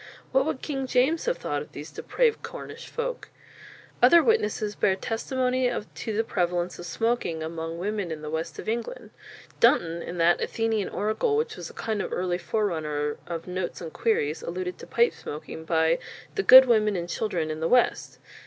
What would King James have thought of these depraved Cornish folk? Other witnesses bear testimony to the prevalence of smoking among women in the west of England. Dunton, in that Athenian Oracle which was a kind of early forerunner of Notes and Queries, alluded to pipe smoking by "the good Women and Children in the West."